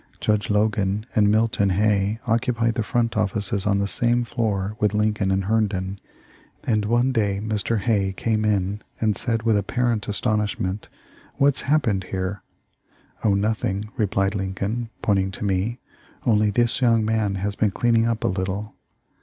Judge Logan and Milton Hay occupied the front offices on the same floor with Lincoln and Herndon, and one day Mr. Hay came in and said with apparent astonishment : 'What's happened here?' 'Oh, nothing,' replied Lincoln, pointing to me, 'only this young man has been cleaning up a little.'